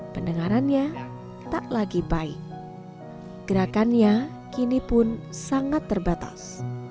pendengarannya tak lagi baik gerakannya kini pun sangat terbatas